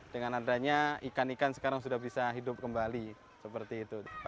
dengan adanya ikan ikan sekarang sudah bisa hidup kembali seperti itu